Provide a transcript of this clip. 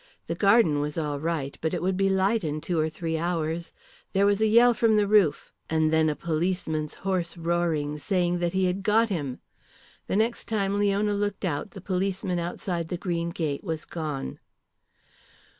The garden was all right, but it would be light in two or three hours. There was a yell from the roof, and then a policeman's hoarse roaring, saying that he had "got him." The next time Leona looked out the policeman outside the green gate was gone.